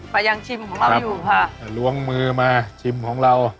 ก็ยังชิมของเราอยู่ค่ะล้วงมือมาชิมของเรา